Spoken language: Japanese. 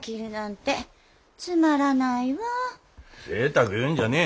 ぜいたく言うんじゃねえ。